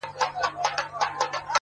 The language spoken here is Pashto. نن به ښکلي ستا په نوم سي ګودرونه؛